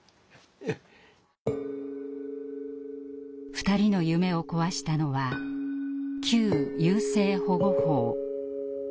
２人の夢を壊したのは旧優生保護法。